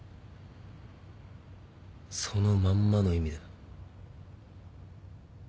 そのまんまの意味だ。